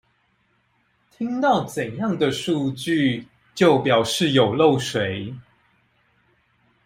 聽到怎樣的數據就表示有漏水